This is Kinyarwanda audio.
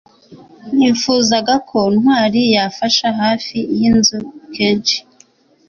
nifuzaga ko ntwali yafasha hafi yinzu kenshi